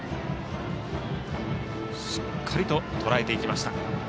しっかりととらえていきました。